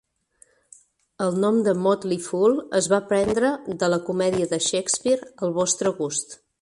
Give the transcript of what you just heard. El nom de "Motley Fool" es va prendre de la comèdia de Shakespeare "Al vostre gust".